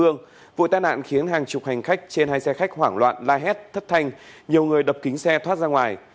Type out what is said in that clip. nhiều người đập kính xe thoát ra ngoài